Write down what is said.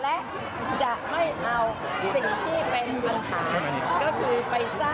และจะไม่เอาสิ่งที่เป็นปัญหา